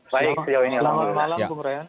baik sejauh ini